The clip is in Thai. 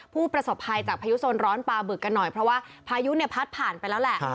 ผู้ประสบภัยจากพายุโซนร้อนปลาบึกกันหน่อยเพราะว่าพายุเนี่ยพัดผ่านไปแล้วแหละ